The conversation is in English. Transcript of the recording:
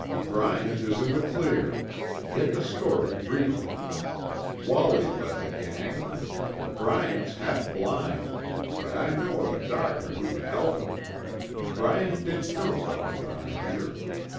"Bryant is in the clear. Get the story briefly. Wallie led the gang. Bryant's half blind, but I know of a doctor who can help him. Bryant didn't know what went on here.